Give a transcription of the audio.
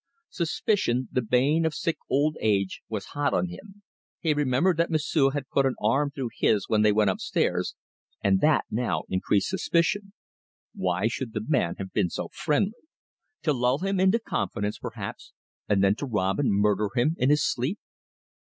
Suspicion, the bane of sick old age, was hot on him. He remembered that M'sieu' had put an arm through his when they went upstairs, and that now increased suspicion. Why should the man have been so friendly? To lull him into confidence, perhaps, and then to rob and murder him in his sleep.